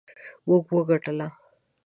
موږ وګټله